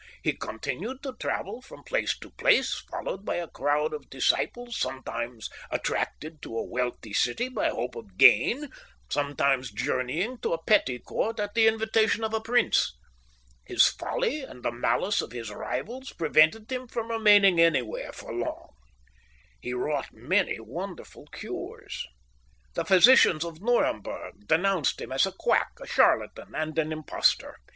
He continued to travel from place to place, followed by a crowd of disciples, some times attracted to a wealthy city by hope of gain, sometimes journeying to a petty court at the invitation of a prince. His folly and the malice of his rivals prevented him from remaining anywhere for long. He wrought many wonderful cures. The physicians of Nuremberg denounced him as a quack, a charlatan, and an impostor.